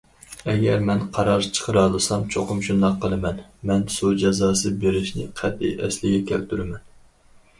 ئەگەر مەن قارار چىقىرالىسام چوقۇم شۇنداق قىلىمەن، مەن سۇ جازاسى بېرىشنى قەتئىي ئەسلىگە كەلتۈرىمەن.